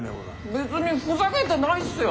別にふざけてないっすよ。